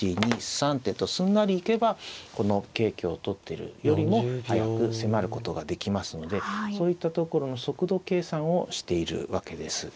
１２３手とすんなりいけばこの桂香を取ってるよりも速く迫ることができますのでそういったところの速度計算をしているわけです。